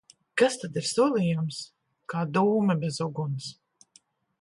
Kas tad ir solījums? Kā dūmi bez uguns!